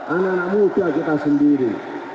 anak anak muda kita sendiri